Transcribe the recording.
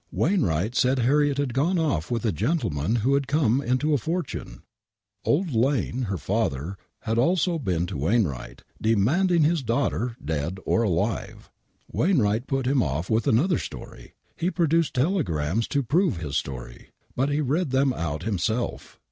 Wainwright said Harriet had gone off with a gentleman who had come into a fortune. Old Lane,, her father, had also been to Wainwright, demanding his daughter, dead or alive. Wainwright put him off with another story ! He produced telegrams to prove his story ! But he read them out himself.